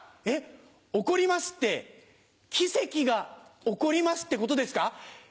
えっおこりますって奇跡が起こりますってことですか？